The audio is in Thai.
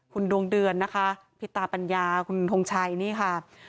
คุณดวงเดือนนะคะพิตาปัญญาคุณทงชัยนี่ค่ะ